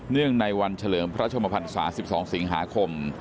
เนื่องในวันเฉลิมพระชมพันธ์ศาสตร์๑๒สิงหาคม